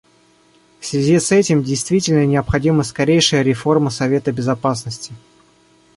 В связи с этим действительно необходима скорейшая реформа Совета Безопасности.